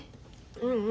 ううん。